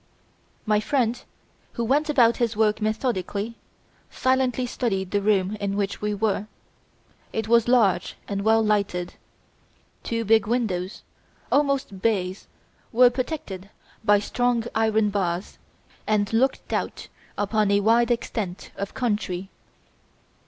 My friend, who went about his work methodically, silently studied the room in which we were. It was large and well lighted. Two big windows almost bays were protected by strong iron bars and looked out upon a wide extent of country.